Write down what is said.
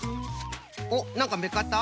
おっなんかめっかった？